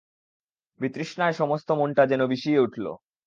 বিতৃষ্ণায় সমস্ত মনটা যেন বিষিয়ে উঠল।